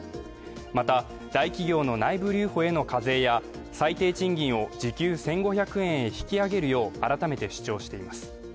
また、大企業の内部留保に対する課税や最低賃金を時給１５００円へ引き上げるよう改めて主張しています。